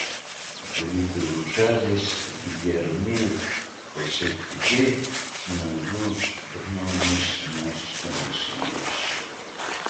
Felipe González, Villar Mir, Josep Piqué son algúns dos nomes máis coñecidos.